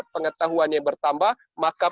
pengetahuan yang bertambah maka